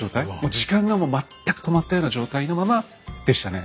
時間がもう全く止まったような状態のままでしたね。